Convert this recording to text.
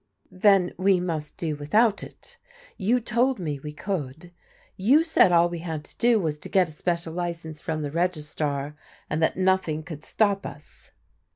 " Then we must do without it. You told me we could. You said all we had to do was to get a special license from the Registrar, and that nothing could stop us."